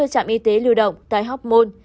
bốn mươi trạm y tế lưu động tại hoc mon